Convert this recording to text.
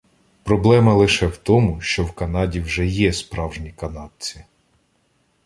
Проблема лише в тому, що в Канаді вже є «справжні» канадці